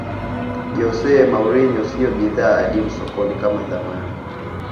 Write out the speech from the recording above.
jose mourinho siyo bidhaa adimu sokoni kama zamani